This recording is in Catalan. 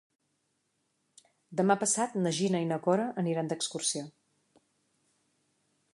Demà passat na Gina i na Cora aniran d'excursió.